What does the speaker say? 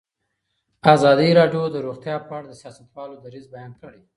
ازادي راډیو د روغتیا په اړه د سیاستوالو دریځ بیان کړی.